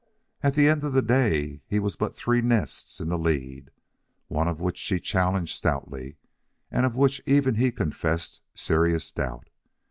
At the end of the day he was but three nests in the lead, one of which she challenged stoutly and of which even he confessed serious doubt.